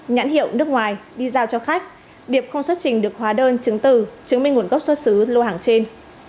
nhãn hiệu nước ngoài đi giao cho khách điệp không xuất trình được hóa đơn chứng từ chứng minh nguồn gốc xuất xứ lô hàng trên